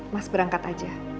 mas berangkat aja